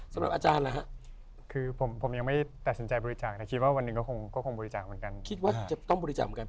สำหรับอาจารย์นะครับ